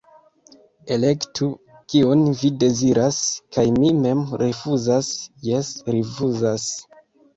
Elektu, kiun vi deziras, kaj mi mem rifuzas, jes, rifuzas.